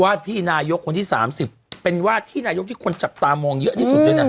วาดที่นายกคนที่สามสิบเป็นวาดที่นายกที่คนจับตามองเยอะที่สุดเลยน่ะอืมอืม